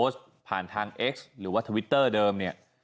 ที่ขอทำเนื้อแบบโบสถ์อยู่เยอะเยอะเยอะ